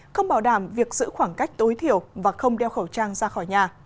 không bảo đảm việc giữ khoảng cách tối thiểu và không đeo khẩu trang ra khỏi nhà